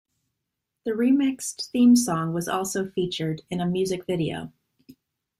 The remixed theme song was also featured in a music video.